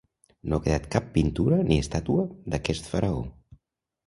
No ha quedat cap pintura ni estàtua d'aquest faraó.